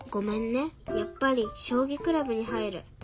やっぱりしょうぎクラブに入る。